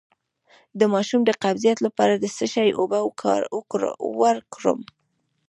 د ماشوم د قبضیت لپاره د څه شي اوبه ورکړم؟